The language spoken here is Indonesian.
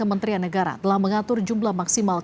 kementerian negara telah mengatur jumlah kementerian tersebut